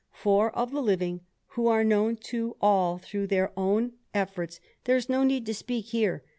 For of the living, who are known to all through their own efforts, there is no need to speak here.